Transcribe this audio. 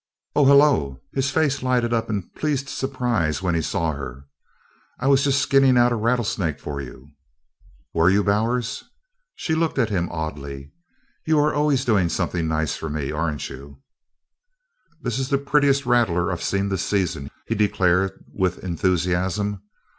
"Oh, hello!" His face lighted up in pleased surprise when he saw her. "I was jest skinnin' out a rattlesnake for you." "Were you, Bowers?" She looked at him oddly. "You are always doing something nice for me, aren't you?" "This is the purtiest rattler I've seen this season," he declared with enthusiasm.